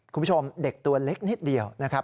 คุณผู้ชมเด็กตัวเล็กนิดเดียวนะครับ